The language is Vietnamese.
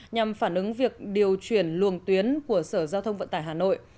nhằm phản ứng việc điều chuyển luồng tuyến của sở giao thông vận tải hà nội